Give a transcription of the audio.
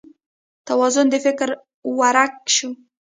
توازون د فکر ورک شو